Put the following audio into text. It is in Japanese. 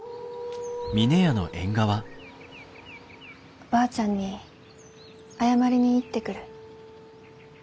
おばあちゃんに謝りに行ってくる。